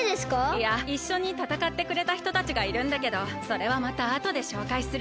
いやいっしょにたたかってくれたひとたちがいるんだけどそれはまたあとでしょうかいするよ。